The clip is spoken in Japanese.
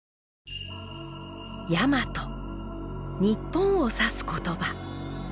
日本を指す言葉。